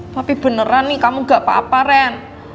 tapi beneran nih kamu gak apa apa ren